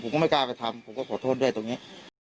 ผมก็ไม่กล้าไปทำผมก็ขอโทษด้วยตรงนี้